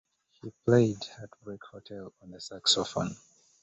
He played "Heartbreak Hotel" on the saxophone.